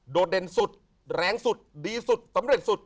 เด่นสุดแรงสุดดีสุดสำเร็จสุด